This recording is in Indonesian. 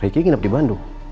riki nginep di bandung